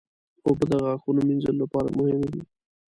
اوبه د غاښونو مینځلو لپاره مهمې دي.